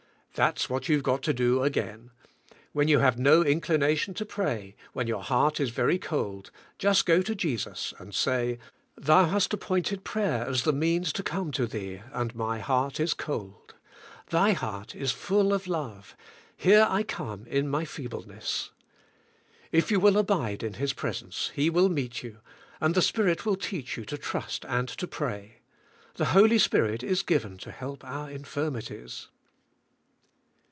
"That's what you have got to do again. When you have no inclination to pray, when your heart is very cold, just go to Jesus and say, Thou hast ap pointed prayer as the means to come to Thee, and my heart is cold. Thy heart is full of love, here I come in my feebleness. If you will abide in His presence He will meet you, and the Spirit will teach you to trust and to pray. The Holy Spirit is given to help our infirmities."